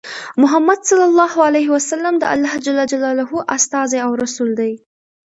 محمد ص د الله ج استازی او رسول دی.